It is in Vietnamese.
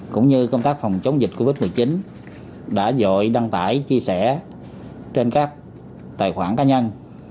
cũng như công tác phòng chống dịch covid một mươi chín đã dội đăng tải chia sẻ trên các tài khoản cá nhân